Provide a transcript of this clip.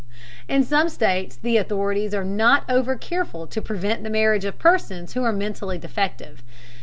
In some states the authorities are not overcareful to prevent the marriage of persons who are mentally defective.